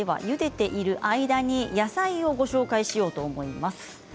ゆでている間に野菜をご紹介しようと思います。